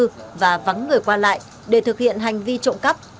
trụ điện đã vắng người qua lại để thực hiện hành vi trộm cắp